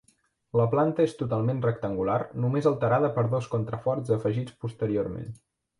La planta és totalment rectangular només alterada per dos contraforts afegits posteriorment.